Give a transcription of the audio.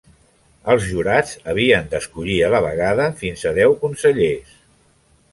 Els jurats havien d'escollir a la vegada fins a deu consellers.